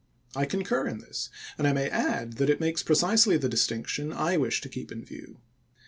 I concur in this, and I may add that it makes precisely the distinc tion I wish to keep in view.